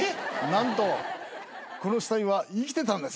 なんとこの死体は生きてたんです。